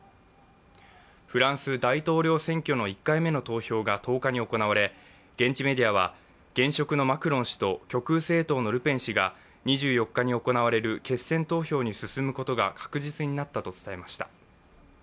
フランス大統領選挙の１回目の投票が１０日に行われ現地メディアは、現職のマクロン氏と極右政党のルペン氏が２４日に行われる決選投票に進むことが確実になったと伝えました。